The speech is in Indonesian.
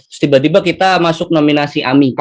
terus tiba tiba kita masuk nominasi amiko